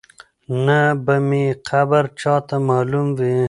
نه به مي قبر چاته معلوم وي